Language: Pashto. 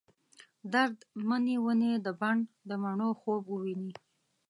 درد منې ونې د بڼ ، دمڼو خوب وویني